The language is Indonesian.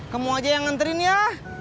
kamu aja yang nganterin ya